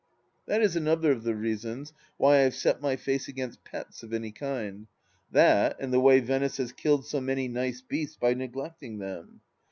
... That is another of the reasons why I have set my face against pets of any kind— that and the way Venice has killed BO many nice beasts, by neglecting them.